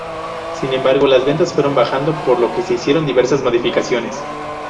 Sin embargo, las ventas fueron bajando, por lo que se hicieron diversas modificaciones.